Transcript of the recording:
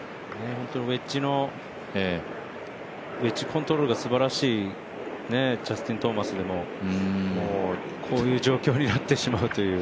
ホントにウェッジコントロールがすばらしいジャスティン・トーマスでもこういう状況になってしまうという。